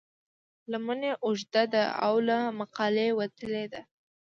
لمن یې اوږده ده او له مقالې وتلې ده.